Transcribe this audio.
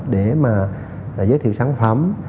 để mà giới thiệu sản phẩm